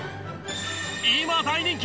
今大人気！